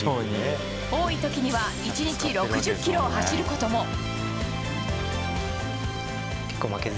多い時には１日６０ｋｍを走ることも。